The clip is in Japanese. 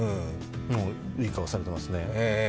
いい顔されてますね。